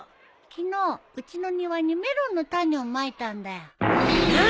昨日うちの庭にメロンの種をまいたんだよ。何！？